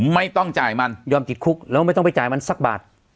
ไม่ต้องจ่ายมันยอมติดคุกแล้วไม่ต้องไปจ่ายมันสักบาท